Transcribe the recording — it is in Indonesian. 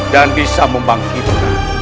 dan bisa membangkitkan